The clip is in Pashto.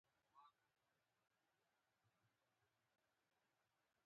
تولیدوونکي کبان له هګۍ اچولو وروسته ژر له ډنډ څخه باسي.